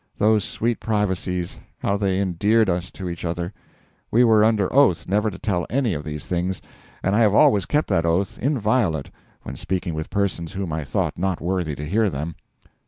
Those sweet privacies, how they endeared us to each other! We were under oath never to tell any of these things, and I have always kept that oath inviolate when speaking with persons whom I thought not worthy to hear them.